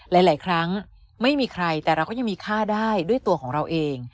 หลายครั้งไม่มีใครแต่เราก็ยังมีค่าได้ด้วยตัวของเราเอง